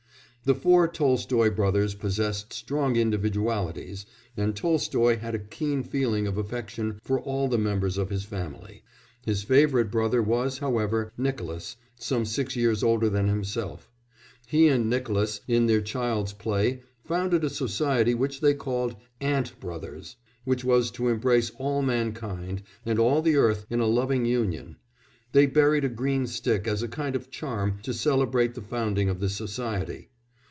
The four Tolstoy brothers possessed strong individualities, and Tolstoy had a keen feeling of affection for all the members of his family; his favourite brother was, however, Nicolas some six years older than himself. He and Nicolas, in their child's play, founded a society which they called "Ant Brothers," which was to embrace all mankind and all the earth in a loving union; they buried a green stick as a kind of charm to celebrate the founding of this society.